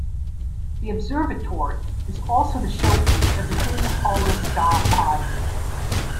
The Observatory is also the showpiece of the Hidden Hollow star party.